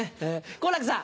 好楽さん。